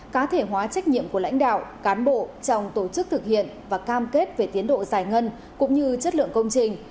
cá thể hóa trách nhiệm của lãnh đạo cán bộ trong tổ chức thực hiện và cam kết về tiến độ giải ngân cũng như chất lượng công trình